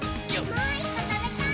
もう１こ、たべたい！